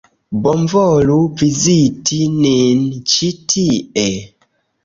Bonvolu viziti nin ĉi tie!